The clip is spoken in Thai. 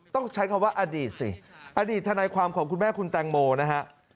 ต้องใช้คำว่าอดีตสิอดีตทนายความของคุณแม่คุณแตงโมนะฮะ